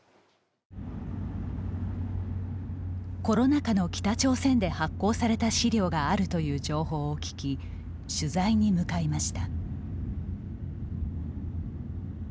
コロナ禍の北朝鮮で発行された資料があるという情報を聞き取材に向かいました。